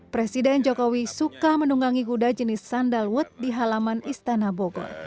presiden jokowi suka menunggangi kuda jenis sandalwood di halaman istana bogor